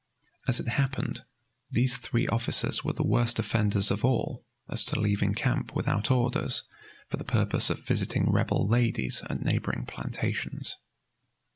As it happened, these three officers were the worst offenders of all, as to leaving camp without orders for the purpose of visiting Rebel ladies at neighboring plantations.